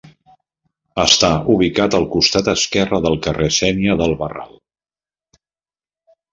Està ubicat al costat esquerre del carrer Sénia del Barral.